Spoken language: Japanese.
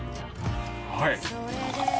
はい！